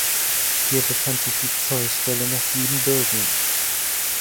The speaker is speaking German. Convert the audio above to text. Hier befand sich die Zollstelle nach Siebenbürgen.